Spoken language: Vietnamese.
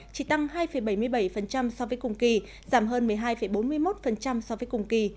chỉ tăng hai bảy mươi bảy so với cùng kỳ giảm hơn một mươi hai bốn mươi một so với cùng kỳ